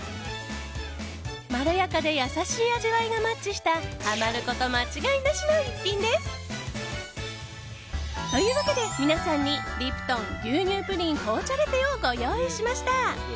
まろやかで優しい味わいがマッチしたハマること間違いなしの一品です。というわけで、皆さんにリプトン牛乳プリン紅茶ラテをご用意しました！